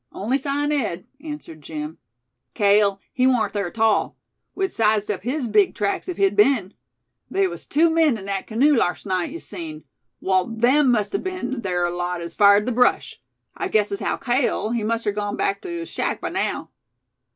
"On'y Si and Ed," answered Jim. "Cale he wa'n't thar 'tall. We'd sized up his big tracks ef he'd be'n. They was two men in thet canoe larst night, ye seen; wall them must a be'n ther lot as fired the brush. I guess as haow Cale, he muster gone back tew his shack by naow."